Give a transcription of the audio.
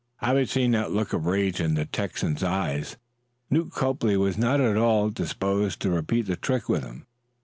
Having seen that look of rage in the Texan's eyes, Newt Copley was not at all disposed to repeat the trick with him.